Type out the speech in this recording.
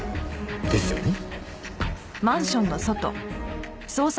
ですよね。